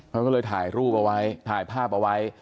เขาก็เลยถ่ายรูปเอาไว้ถ่ายภาพเอาไว้